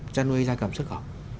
cho nuôi gia cập xuất khẩu